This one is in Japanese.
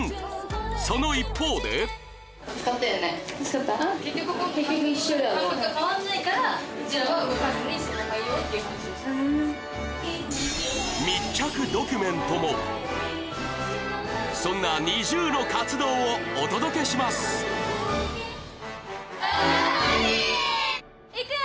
その一方で密着ドキュメントもそんな ＮｉｚｉＵ の活動をお届けします行くよ！